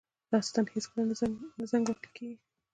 دا ستن هیڅکله نه زنګ وهل کیږي.